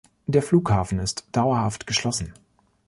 Der Flughafen ist dauerhaft geschlossen.